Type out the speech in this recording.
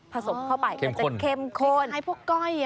ผสมเข้าไปบุ่งใหม่พวกก้อย